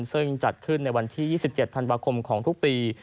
ซึ่งจัดขึ้นในวันที่๒๗ธันวาคมของทุกปี